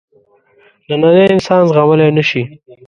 نننی انسان زغملای نه شي.